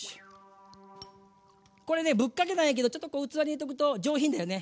これねぶっかけないけどちょっとこう器に入れとくと上品だよね。